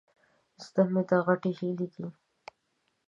زده مې ده، غټې هيلۍ دي.